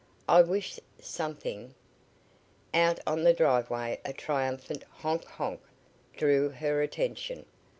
"I wish something " Out on the driveway a triumphant "honk honk!" drew her attention.